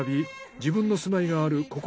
自分の住まいがあるここ